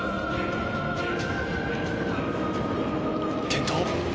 転倒。